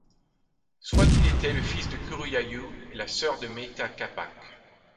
Soit il était le fils de Curuyayu, la sœur de Mayta Capac.